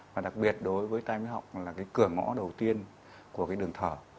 và đặc biệt đối với tai biến họng là cái cửa ngõ đầu tiên của cái đường thở